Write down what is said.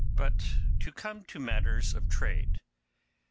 But to come to matters of trade.